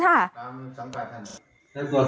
จัดกระบวนพร้อมกัน